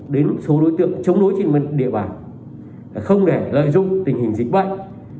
đến số đối tượng chống đối trên địa bàn không để lợi dụng tình hình dịch bệnh